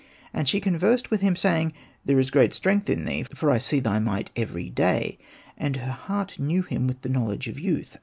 And she conversed with him, saying, " There is great strength in thee, for I see thy might every day." And her heart knew him with the knowledge of youth.